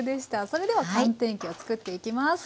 それでは寒天液を作っていきます。